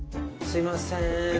すみません。